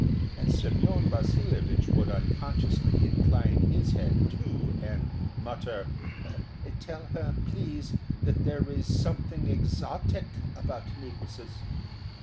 And Semyon Vasilyevich would unconsciously incline his head too, and mutter: "Tell her, please, that there is something exotic about negresses."